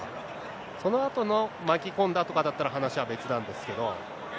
そのあとのまき込んだとかだったら、別なんですけど。